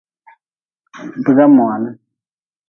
Biga moan.